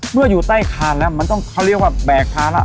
อยู่ใต้คานแล้วมันต้องเขาเรียกว่าแบกภาระ